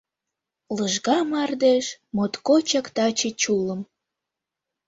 Лыжга мардеж моткочак таче чулым.